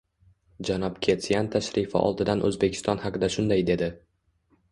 Janob Ketsyan tashrifi oldidan O'zbekiston haqida shunday dedi: